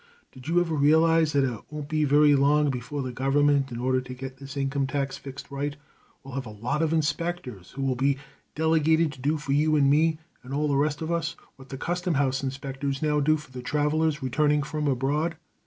Did you ever realize that it won't be very long before the government, in order to get this income tax fixed right, will have a lot of inspectors who will be delegated to do for you and me, and all the rest of us, what the Custom House inspectors now do for travelers returning from abroad?